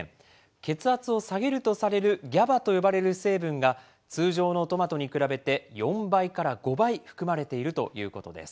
血圧を下げるとされるＧＡＢＡと呼ばれる成分が通常のトマトに比べて、４倍から５倍含まれているということです。